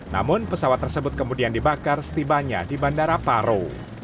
namun pesawat tersebut kemudian dibakar setibanya di bandara paro